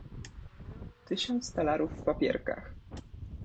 "Tysiąc talarów w papierkach!"